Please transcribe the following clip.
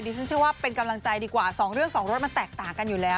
ฉันเชื่อว่าเป็นกำลังใจดีกว่า๒เรื่อง๒รถมันแตกต่างกันอยู่แล้ว